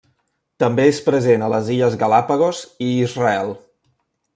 També és present a les Illes Galápagos i Israel.